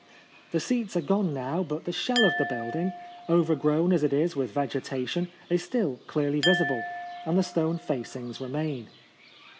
The seats are gone now ; but the shell of the building, overgrown as it is with vegetation, is still clearly visible, and the stone facings remain.